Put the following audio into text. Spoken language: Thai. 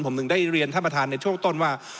ผมถึงได้เรียนท่านประธานในช่วงต้นว่า